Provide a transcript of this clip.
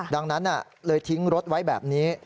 ดังนั้นเลยทิ้งรถไว้แบบนี้